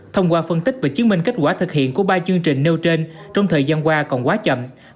thông qua phân tích và chứng minh kết quả thực hiện của ba chương trình nêu trên trong thời gian qua còn quá chậm